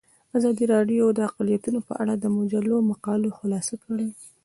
ازادي راډیو د اقلیتونه په اړه د مجلو مقالو خلاصه کړې.